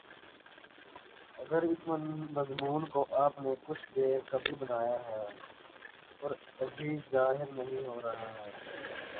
گر اس مضمون کو آپ نے کچھ دیر قبل بنایا ہے اور ابھی ظاہر نہیں ہو رہا ہے